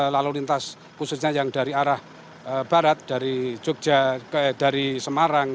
lalu lintas khususnya yang dari arah barat dari jogja dari semarang